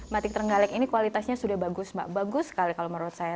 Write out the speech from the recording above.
batik terenggalek ini kualitasnya sudah bagus mbak bagus sekali kalau menurut saya